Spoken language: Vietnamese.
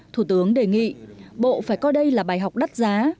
thủ tướng đề nghị bộ phải coi đây là bài học đắt giá